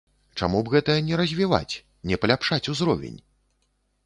Чаму б гэта не развіваць, не паляпшаць узровень?